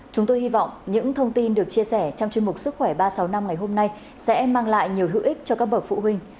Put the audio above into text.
chúng tôi hy vọng những thông tin được chia sẻ trong chương mục sức khỏe ba trăm sáu mươi năm ngày hôm nay sẽ mang lại nhiều hữu ích cho các bậc phụ huynh